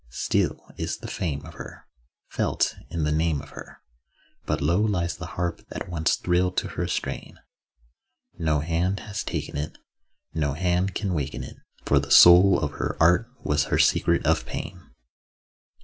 Still is the fame of her Felt in the name of her— But low lies the harp that once thrilled to her strain; No hand has taken it, No hand can waken it— For the soul of her art was her secret of pain.